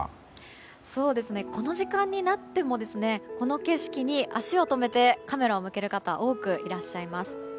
この時間になってもこの景色に足を止めてカメラを向ける方が多くいらっしゃいます。